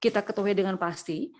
kita ketahui dengan pasti